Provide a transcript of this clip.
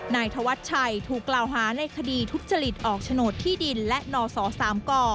นายธวัชชัยถูกกล่าวหาในคดีทุจริตออกโฉนดที่ดินและนศ๓ก